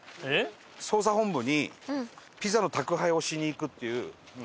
捜査本部にピザの宅配をしに行くっていう。